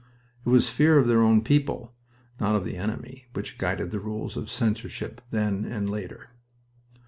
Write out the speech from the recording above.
It was fear of their own people, not of the enemy, which guided the rules of censorship then and later.